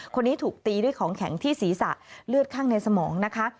คนนี้ถูกตีด้วยของแข็งที่ศีรษะเลือดข้างในสมองนะคะ